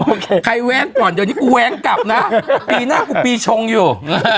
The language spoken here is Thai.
ผมใครแว้งต่อไปไปก็แว้งกับนะพี่หน้ากูพี่ชงอยู่